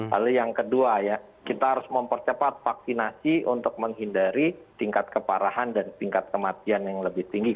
lalu yang kedua ya kita harus mempercepat vaksinasi untuk menghindari tingkat keparahan dan tingkat kematian yang lebih tinggi